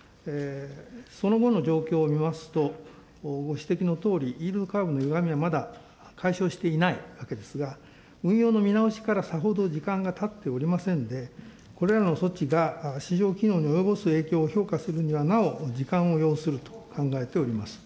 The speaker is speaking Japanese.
その後の状況を見ますと、ご指摘のとおり、イールドカーブのゆがみはまだ解消していないわけですが、運用の見直しからさほど時間がたっておりませんで、これらの措置が市場機能に及ぼす影響をするにはなお時間を要すると考えております。